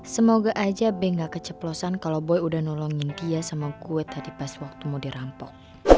semoga aja be gak keceplosan kalau boy udah nolongin kia sama gue tadi pas waktu mau dirampok